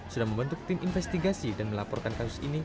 sudah membentuk tim investigasi dan melaporkan kasus ini